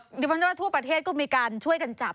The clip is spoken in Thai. ดิฟังเจ้าหน้าทั่วประเทศก็มีการช่วยกันจับ